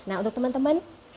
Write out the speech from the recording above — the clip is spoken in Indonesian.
nah untuk teman teman